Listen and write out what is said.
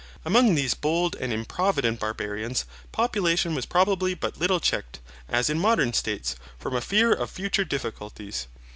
Among these bold and improvident Barbarians, population was probably but little checked, as in modern states, from a fear of future difficulties.